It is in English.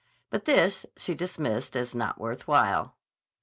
But this she dismissed as not worth while.